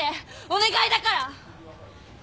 お願いだから。